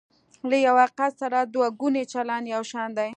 له یوه حقیقت سره دوه ګونی چلند یو شان دی.